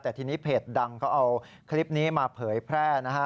แต่ทีนี้เพจดังเขาเอาคลิปนี้มาเผยแพร่นะฮะ